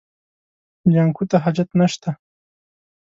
جانکو ته حاجت نشته.